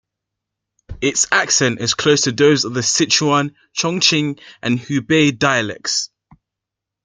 Its accent is close to those of the Sichuan, Chongqing, and Hubei dialects.